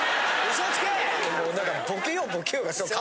嘘つけ！